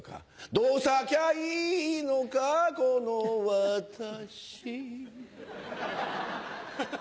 どう咲きゃいいのかこの私ハハっ。